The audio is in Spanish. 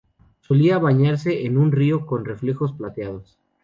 Solía bañarse en un río con reflejos plateados.